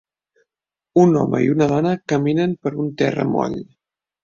Un home i una dona caminen per un terra moll